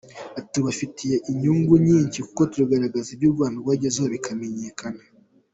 Ati “ Tubifitemo inyungu nyinshi kuko turimo kugaragaza ibyo u Rwanda rwagezeho bikamenyekana.